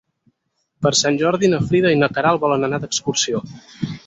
Per Sant Jordi na Frida i na Queralt volen anar d'excursió.